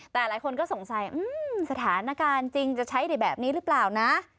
แต่หลายคนก็สงสัยสถานการณ์จริงจะใช้ได้แบบนี้หรือเปล่านะ